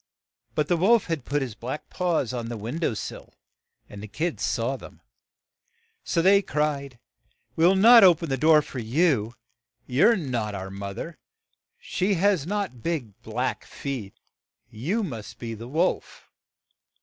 But the wolf had put his black paws on the win dow sill, and the kids saw them. So they cried, 'We will not o pen the door for you. You are not our moth er ; she has not big, black feet. You must be the wolf."